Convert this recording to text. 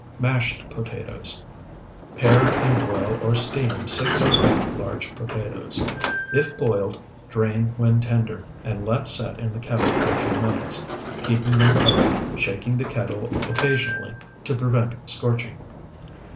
MASHED POTATOES Pare and boil or steam six or eight large potatoes. If boiled, drain when tender, and let set in the kettle for a few minutes, keeping them covered, shaking the kettle occasionally to prevent scorching.